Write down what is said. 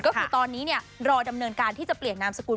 ก็คือตอนนี้รอดำเนินการที่จะเปลี่ยนนามสกุล